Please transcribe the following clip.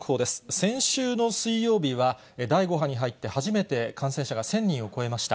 先週の水曜日は、第５波に入って初めて感染者が１０００人を超えました。